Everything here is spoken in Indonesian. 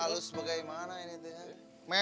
alus bagaimana ini teteh